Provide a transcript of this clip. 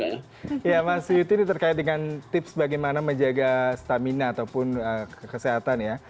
iya mas yuti ini terkait dengan tips bagaimana menjaga stamina ataupun kesehatan ya